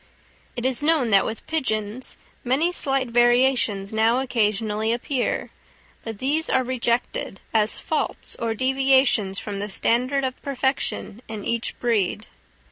It is known that with pigeons many slight variations now occasionally appear, but these are rejected as faults or deviations from the standard of perfection in each breed.